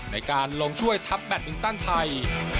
ในการลงช่วยทัพแบตมินตันไทย